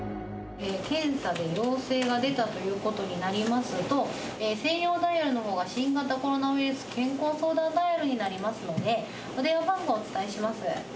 検査で陽性が出たということになりますと、専用ダイヤルのほうが新型コロナウイルス健康相談ダイヤルになりますので、お電話番号をお伝えします。